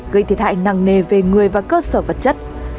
gây thiệt hại nặng nề về người và cơ sở vật chất